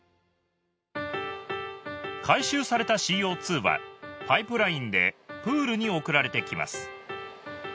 回収されたＣＯ２はパイプラインでプールに送られてきます